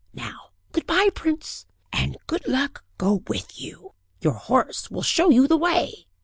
Now good bye, prince; and good luck go with you; your horse will show you the way."